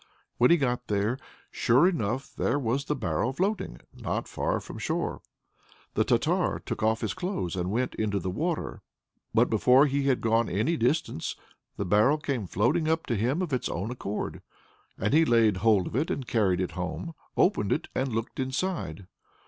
When he got there sure enough there was the barrel floating, and not far from the shore. The Tartar took off his clothes and went into the water; before he had gone any distance the barrel came floating up to him of its own accord. He laid hold of it, carried it home, opened it, and looked inside.